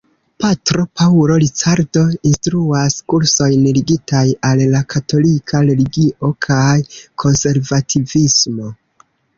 Patro Paulo Ricardo instruas kursojn ligitaj al la katolika religio kaj konservativismo.